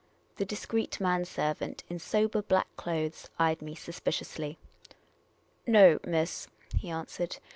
The discreet man servant 1^ in sober black clothes eyed me suspiciously. " No, miss," he answered.